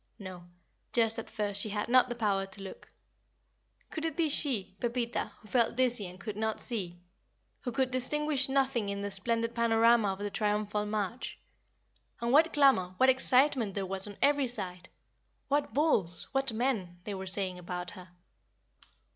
No; just at first she had not the power to look. Could it be she Pepita who felt dizzy and could not see? who could distinguish nothing in the splendid panorama of the triumphal march? And what clamor, what excitement there was on every side! "What bulls! What men!" they were saying about her.